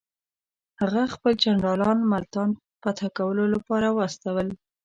هغه خپل جنرالان ملتان فتح کولو لپاره واستول.